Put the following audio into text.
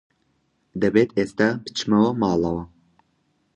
دەبێت ئێستا بچمەوە ماڵەوە.